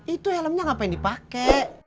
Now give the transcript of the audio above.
itu helmnya ngapain dipake